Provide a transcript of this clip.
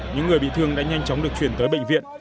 những người bị thương đã nhanh chóng được chuyển tới bệnh viện